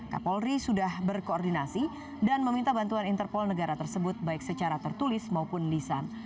kapolri sudah berkoordinasi dan meminta bantuan interpol negara tersebut baik secara tertulis maupun lisan